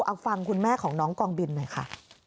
เอาฟังคุณแม่ของน้องกองบินหน่อยค่ะ